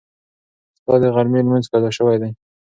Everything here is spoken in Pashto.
ستا د غرمې لمونځ قضا شوی دی.